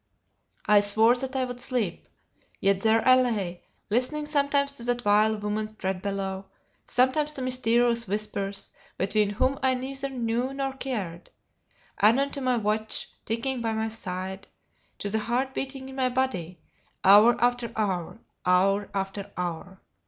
I swore that I would sleep. Yet there I lay, listening sometimes to that vile woman's tread below; sometimes to mysterious whispers, between whom I neither knew nor cared; anon to my watch ticking by my side, to the heart beating in my body, hour after hour hour after hour.